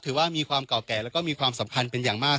ถือว่ามีความเก่าแก่แล้วก็มีความสำคัญเป็นอย่างมาก